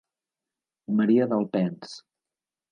Maria d'Alpens.